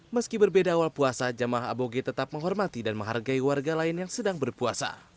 meski berbeda awal puasa jemaah aboge tetap menghormati dan menghargai warga lain yang sedang berpuasa